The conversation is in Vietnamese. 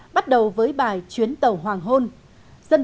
bắt đầu với bài chuyến tàu hoàng hôn